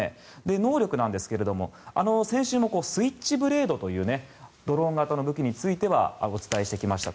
能力ですが、先週もスイッチブレードというドローン型の武器についてはお伝えしてきました。